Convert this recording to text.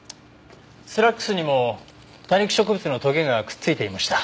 スラックスにも多肉植物のトゲがくっついていました。